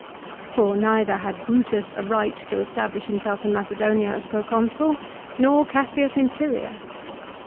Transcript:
For neither had Brutus a right to establish himself in Macedonia as Proconsul, nor Cassius in Syria.